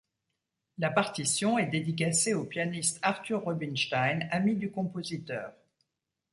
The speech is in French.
La partition est dédicacée au pianiste Arthur Rubinstein, ami du compositeur.